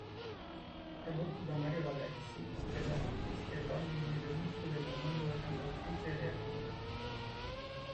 Prodotto da Mario Lavezzi, Leda Battisti è l'album di debutto dell'omonima cantautrice reatina.